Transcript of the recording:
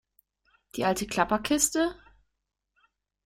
Die alte Klapperkiste?